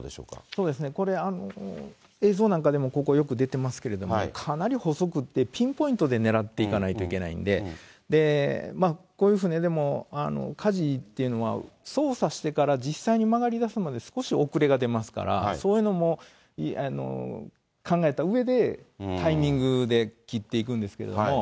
そうですね、これ、映像なんかでもここ、よく出ていますけれども、かなり細くって、ピンポイントで狙っていかないといけないんで、こういう船でもかじっていうのは操作してから実際に曲がりだすまで少し遅れが出ますから、そういうのも考えたうえで、タイミングで切っていくんですけれども。